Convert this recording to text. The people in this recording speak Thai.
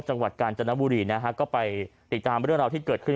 จังหวัดกาญจนบุรีนะฮะก็ไปติดตามเรื่องราวที่เกิดขึ้น